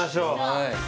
はい